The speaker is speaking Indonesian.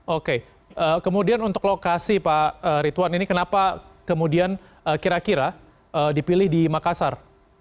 oke kemudian untuk lokasi pak ridwan ini kenapa kemudian kira kira dipilih di makassar